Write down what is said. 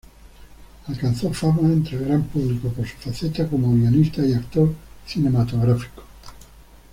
Alcanzó fama entre el gran público por su faceta como guionista y actor cinematográfico.